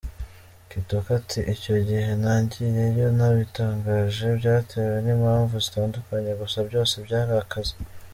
Kitoko ati “Icyo gihe nagiyeyo ntabitangaje, byatewe n’impamvu zitandukanye gusa byose byari akazi.